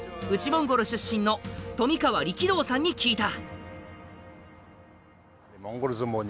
モンゴル出身の富川力道さんに聞いた。